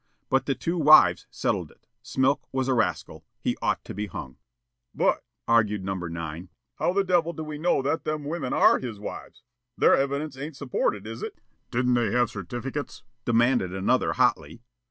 But the two wives settled it. Smilk was a rascal. He ought to be hung. "But," argued No. 9, "how the devil do we know that them women ARE his wives. Their evidence ain't supported, is it?" "Didn't they have certificates?" demanded another hotly.